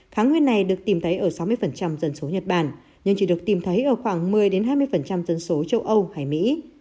kháng nguyên này được tìm thấy ở sáu mươi dân số nhật bản nhưng chỉ được tìm thấy ở khoảng một mươi hai mươi dân số châu âu hay mỹ